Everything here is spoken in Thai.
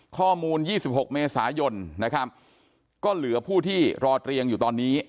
ข้อมูล๒๖เมษายนนะครับก็เหลือผู้ที่รอเตียงอยู่ตอนนี้